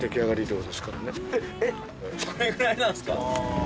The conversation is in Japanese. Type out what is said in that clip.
これぐらいなんですか？